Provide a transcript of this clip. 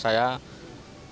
saya juga lebih berharga